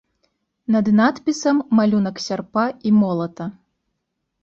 Над надпісам малюнак сярпа і молата.